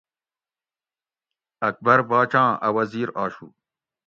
اکبر باچاں اۤ وزیر آشو